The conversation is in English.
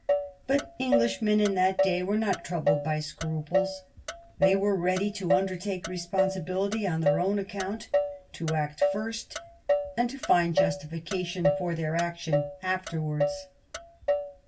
But English men in that day were not troubled by scruples ; they were ready to undertake responsibility on their own account, to act first, and to find justification for their action afterwards.